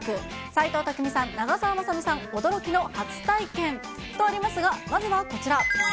斎藤工さん、長澤まさみさん、驚きの初体験とありますが、まずはこちら。